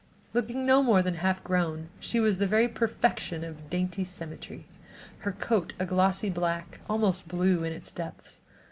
Looking no more than half grown she was the very perfection of dainty symmetry, her coat a solid glossy black, almost blue in its depths.